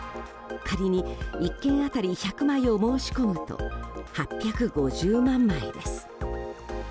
仮に、１件当たり１００枚を申し込むと８５０万枚です。